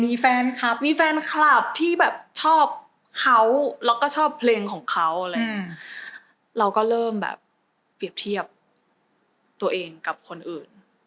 มีแฟนคลับมีแฟนคลับที่แบบชอบเขาแล้วก็ชอบเพลงของเขาอะไรอย่างเงี้ยเราก็เริ่มแบบเปรียบเทียบตัวเองกับคนอื่น